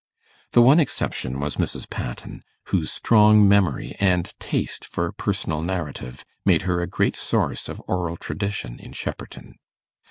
The one exception was Mrs. Patten, whose strong memory and taste for personal narrative made her a great source of oral tradition in Shepperton.